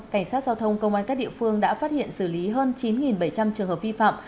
cảnh sát giao thông công an các địa phương đã phát hiện xử lý hơn chín bảy trăm linh trường hợp vi phạm